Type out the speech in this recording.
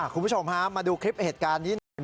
คุณผู้ชมฮะมาดูคลิปเหตุการณ์นี้หน่อย